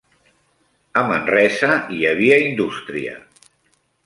A Manresa hi havia indústria.